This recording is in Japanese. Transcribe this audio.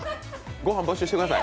御飯没収してください。